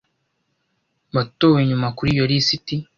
watowe nyuma kuri iyo lisiti